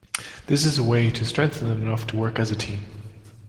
This is a way to strengthen them enough to work as a team.